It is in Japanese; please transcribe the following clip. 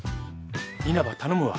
稲葉頼むわ。